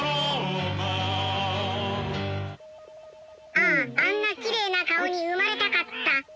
あああんなきれいな顔に生まれたかった。